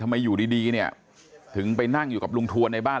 อยู่ดีเนี่ยถึงไปนั่งอยู่กับลุงทวนในบ้าน